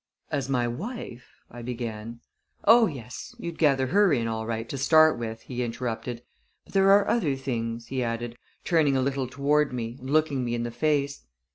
"As my wife " I began. "Oh, yes! you'd gather her in all right to start with," he interrupted; "but there are other things," he added, turning a little toward me and looking me in the face.